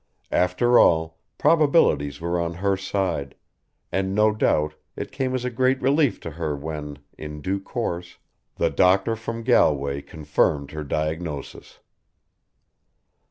After all, probabilities were on her side, and no doubt it came as a great relief to her when, in due course, the doctor from Galway confirmed her diagnosis.